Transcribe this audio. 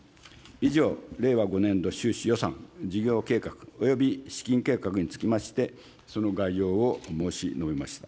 以上、令和５年度収支予算、事業計画および資金計画につきまして、その概要を申し述べました。